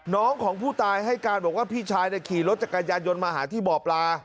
น้องของผู้ตายให้การบอกว่าพี่ชายขี่รถจักรยานยนต์มาหาที่บ่อปลา